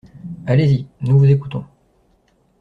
Allez-y. Nous vous écoutons.